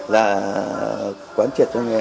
là quán triệt cho người